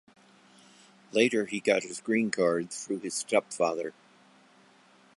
Later he got his green card through his stepfather.